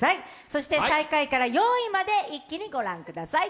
そして最下位から４位まで一気にご覧ください。